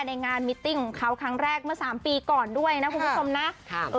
ในงานมิตติ้งของเขาครั้งแรกเมื่อ๓ปีก่อนด้วยนะคุณผู้ชมนะ